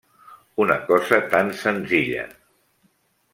Una cosa tan senzilla!